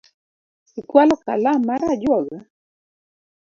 Ikualo kalam mar ajuoga?